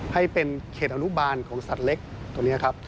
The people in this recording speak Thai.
ให้เป็นเขตอนุบาลของสัตว์เล็กตัวนี้ครับ